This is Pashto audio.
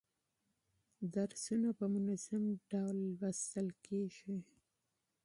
درسونه په منظم ډول لوستل کیږي.